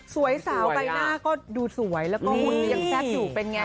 สวยเซียสาวใกล้หน้าก็ดูสวยและก็หุ้นยังแทบอยู่เป็นไง